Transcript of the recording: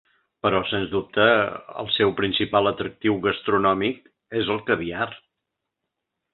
Però, sens dubte, el seu principal atractiu gastronòmic és el caviar.